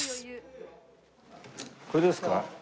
これですか？